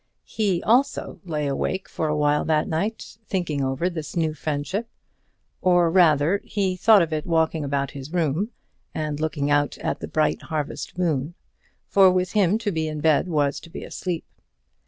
He, also, lay awake for awhile that night, thinking over this new friendship. Or rather he thought of it walking about his room, and looking out at the bright harvest moon; for with him to be in bed was to be asleep.